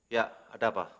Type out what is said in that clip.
ya ada apa